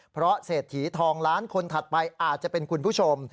เพราะเศรษฐีทองล้านคนถัดไปอาจจะเป็นคุณผู้ชม